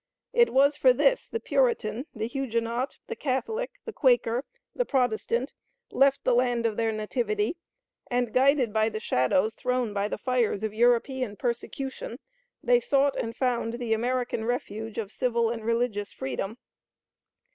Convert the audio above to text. It was for this the Puritan, the Huguenot, the Catholic, the Quaker, the Protestant, left the land of their nativity, and, guided by the shadows thrown by the fires of European persecution, they sought and found the American refuge of civil and religious freedom.